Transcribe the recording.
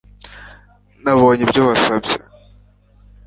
Nabonye ibyo wasabye